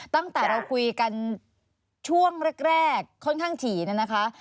ตั้งแต่เราคุยกันช่วงแรกค่อนข้างถี่เนี่ยนะคะ